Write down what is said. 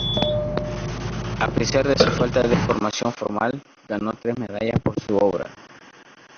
A pesar de su falta de formación formal, ganó tres medallas por su obra.